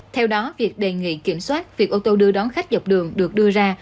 theo đó việc đề nghị kiểm soát việc ô tô đưa đón khách dọc đường được đưa ra